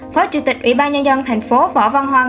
phó chủ tịch ubnd tp phó văn hoan